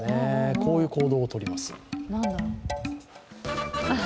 こういう行動をとります。